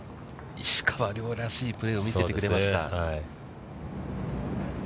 石川遼らしいプレーを見せてくれました。